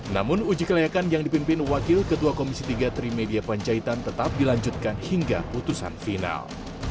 namun uji kelayakan yang dipimpin wakil ketua komisi tiga trimedia panjaitan tetap dilanjutkan hingga putusan final